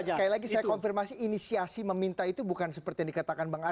sekali lagi saya konfirmasi inisiasi meminta itu bukan seperti yang dikatakan bang arya